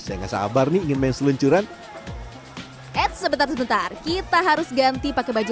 saya nggak sabar nih ingin main seluncuran eits sebentar sebentar kita harus ganti pakai baju